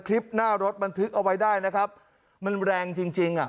คลิปหน้ารถบันทึกเอาไว้ได้นะครับมันแรงจริงจริงอ่ะ